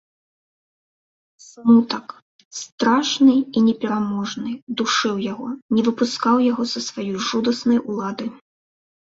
Смутак, страшны і непераможны, душыў яго, не выпускаў яго са сваёй жудаснай улады.